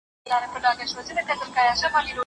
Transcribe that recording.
د موقف ټینګول د ځان اعتماد زیاتوي.